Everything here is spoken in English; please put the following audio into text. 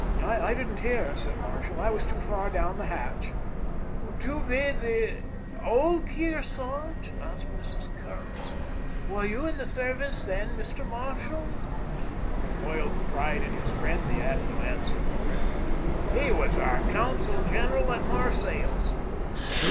"I didn't hear it," said Marshall; "I was too far down the hatch." "Do you mean the old Kearsarge?" asked Mrs. Cairns. "Were you in the service then, Mr. Marshall?" With loyal pride in his friend, the admiral answered for him: "He was our consul general at Marseilles!"